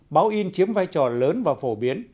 báo in chiếm vai trò lớn và phổ biến